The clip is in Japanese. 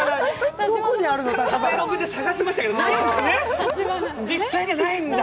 食べログで探しましたけどないんですね、実際にはないんだ。